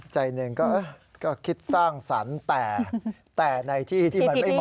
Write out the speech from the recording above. ใจหนึ่งก็คิดสร้างสรรค์แต่ในที่ที่มันไม่เห